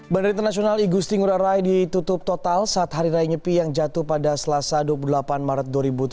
bandara internasional igusti ngurah rai ditutup total saat hari raya nyepi yang jatuh pada selasa dua puluh delapan maret dua ribu tujuh belas